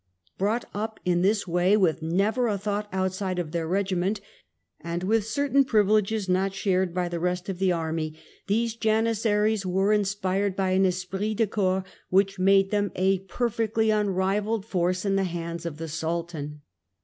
Brought up in this way, with never a thought outside their regiment, and with certain privileges not shared by the rest of the 260 THE END OF THE MIDDLE AGE army, these Janissaries were inspired by an esprit de corps which made them a perfectly unrivalled force in the hands of the Sultan.